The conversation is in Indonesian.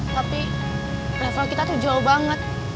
tapi level kita tuh jauh banget